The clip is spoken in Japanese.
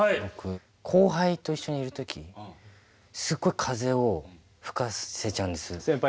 僕後輩と一緒にいるときすごい風を吹かせちゃうんです。